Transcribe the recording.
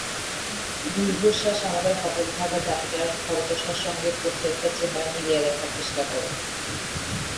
দীর্ঘশ্বাস আমাদের হতাভাগা জাতিটার হতদশার সঙ্গে কোস্টারিকার চেহারা মিলিয়ে দেখার চেষ্টা করে।